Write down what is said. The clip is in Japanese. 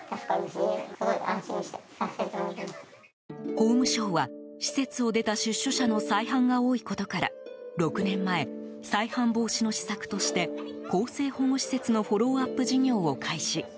法務省は、施設を出た出所者の再犯が多いことから６年前、再犯防止の施策として更生保護施設のフォローアップ事業を開始。